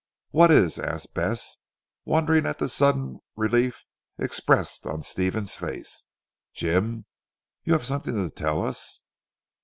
"What is?" asked Bess, wondering at the sudden relief expressed on Stephen's face. "Jim, you have something to tell us."